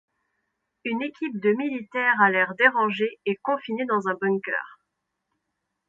Une équipe de militaires à l'air dérangé est confinée dans un bunker.